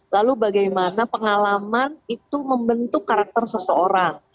lalu bagaimana pengalaman itu membentuk karakter seseorang